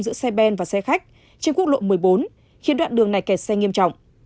giữa xe ben và xe khách trên quốc lộ một mươi bốn khiến đoạn đường này kẹt xe nghiêm trọng